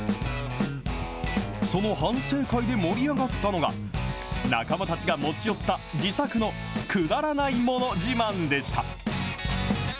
その反省会で盛り上がったのが、仲間たちが持ち寄った自作のくだらないもの自慢でした。